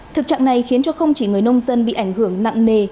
thực trạng này khiến cho không chỉ người nông dân bị ảnh hưởng nặng nề